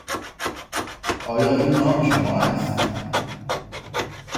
آیا این نام شما است؟